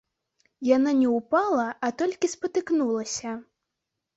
Яна не ўпала, а толькі спатыкнулася.